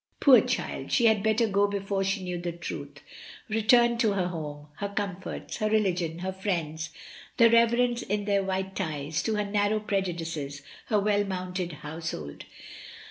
Poor child! she had better go before she knew the truth, return to her home, her comforts, her religion, her friends, the reverends in their white ties, to her narrow prejudices, her well mounted household.